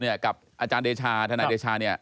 เนี่ยอาจารย์เดชาทนายเดชาเนี่ย๑๙๗๔